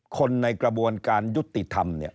คนในกระบวนการยุติธรรม